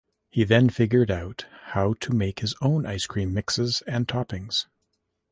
He then figured out how to make his own ice cream mixes and toppings.